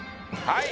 はい。